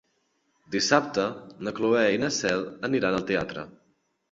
Dissabte na Cloè i na Cel aniran al teatre.